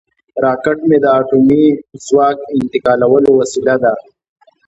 راکټ د اټومي ځواک انتقالولو وسیله ده